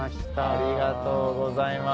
ありがとうございます。